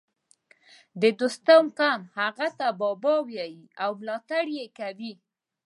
د دوستم قوم هغه ته بابا وايي او ملاتړ یې کوي